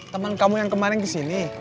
teman kamu yang kemarin kesini